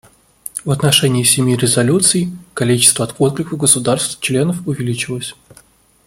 В отношении семи резолюций количество откликов государств-членов увеличилось.